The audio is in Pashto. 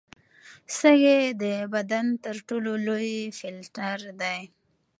سږي د بدن تر ټولو لوی فلټر دي.